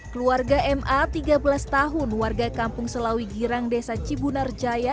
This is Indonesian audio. keluarga ma tiga belas tahun warga kampung selawi girang desa cibunarjaya